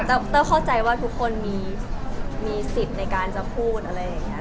เตอร์เข้าใจว่าทุกคนมีสิทธิ์ในการจะพูดอะไรอย่างนี้